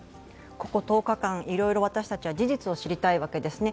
ここ１０日間、私たちは事実を知りたいわけですね。